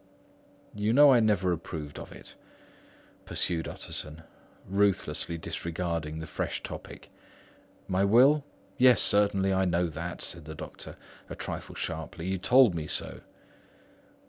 "You know I never approved of it," pursued Utterson, ruthlessly disregarding the fresh topic. "My will? Yes, certainly, I know that," said the doctor, a trifle sharply. "You have told me so."